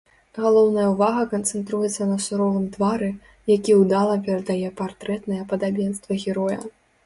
Галоўная ўвага канцэнтруецца на суровым твары, які ўдала перадае партрэтнае падабенства героя.